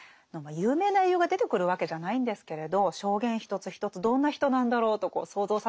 有名な英雄が出てくるわけじゃないんですけれど証言一つ一つどんな人なんだろうと想像させるような本ですよね。